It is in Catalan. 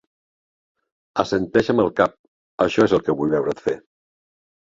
Assenteix amb el cap; això és el que vull veure't fer.